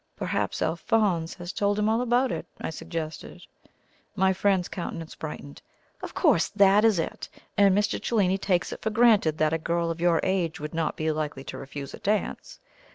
"Perhaps Alphonse has told him all about it," I suggested. My friend's countenance brightened. "Of course! That is it; and Mr. Cellini takes it for granted that a girl of your age would not be likely to refuse a dance.